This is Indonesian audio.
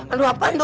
aduh apaan lu